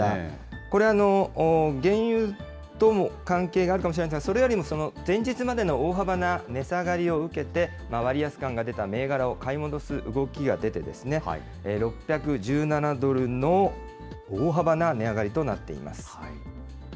これ、原油とも関係があるかもしれませんが、それよりも前日までの大幅な値下がりを受けて、割安感が出た銘柄を買い戻す動きが出て、６１７ドルの大幅な値上がりとなっています。